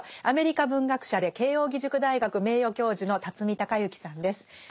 アメリカ文学者で慶應義塾大学名誉教授の孝之さんです。